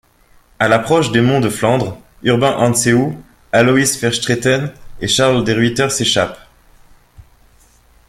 À l'approche des monts de Flandre, Urbain Anseeuw, Aloïs Verstraeten et Charles Deruyter s'échappent.